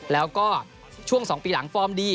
แล้วก็ช่วง๒ปีหลังฟอร์มดี